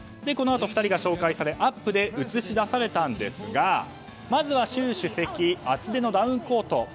このあと２人が紹介されアップで映し出されたんですがまずは習主席厚手のダウンコート。